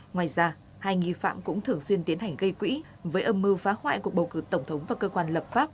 ngoài ra hai nghi phạm cũng thường xuyên tiến hành gây quỹ với âm mưu phá hoại cuộc bầu cử tổng thống và cơ quan lập pháp